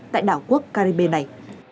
tại đảo quốc caribe này